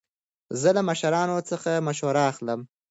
زه له مشرانو څخه مشوره اخلم.